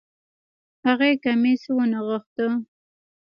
هغې کميس ونغښتۀ